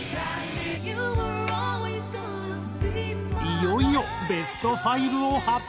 いよいよベスト５を発表！